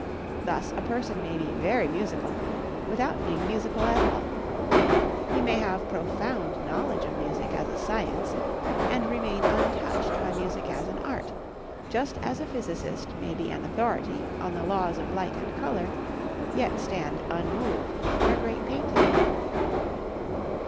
Thus a person may be very musical without being musical at all. He may have profound knowledge of music as a science and remain untouched by music as an art, just as a physicist may be an authority on the laws of light and color, yet stand unmoved before a great painting.